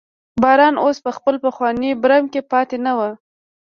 باران اوس په خپل پخواني برم کې پاتې نه و.